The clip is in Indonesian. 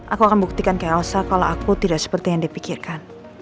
aku akan buktikan ke elsa kalau aku tidak seperti yang dipikirkan